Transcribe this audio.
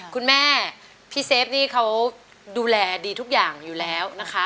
คุณแม่พี่เซฟนี่เขาดูแลดีทุกอย่างอยู่แล้วนะคะ